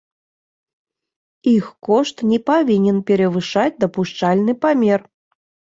Іх кошт не павінен перавышаць дапушчальны памер.